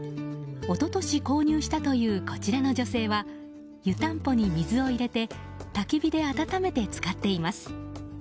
一昨年購入したというこちらの女性は湯たんぽに水を入れてたき火で温めて使っています。